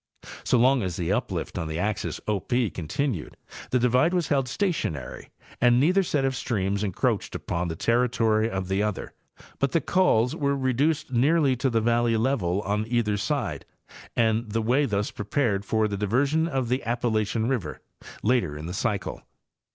So long as the uplift on the axis O P con tinued the divide was held stationary and neither set of streams encroached upon the territory of the other, but the cols were reduced nearly to the valley level on either side, and the way thus prepared for the diversion of the Appalachian river, later in the cycle.